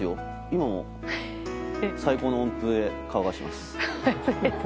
今も最高の温風で乾かしてます。